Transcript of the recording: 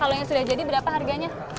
kalau yang sudah jadi berapa harganya